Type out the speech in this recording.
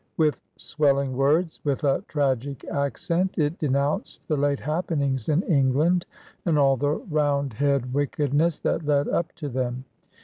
With swelling words, with a tragic accent, it denounced the late happenings in England and all the Round head wickedness that led up to them.